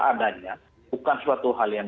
adanya bukan suatu hal yang